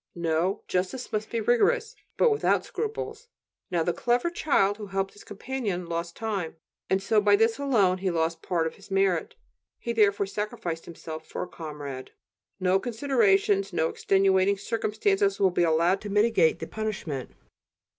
No, justice must be rigorous, but without scruples. Now the clever child who helped his companion lost time, and so by this alone he lost part of his merit; he therefore "sacrificed" himself for a comrade. No considerations, no extenuating circumstances will be allowed to mitigate the punishment.